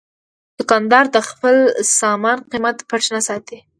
دوکاندار د خپل سامان قیمت پټ نه ساتي.